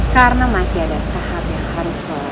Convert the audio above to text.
karena masih ada tahap yang harus diolah